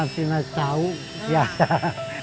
harus dengan kenahan dan keleluhan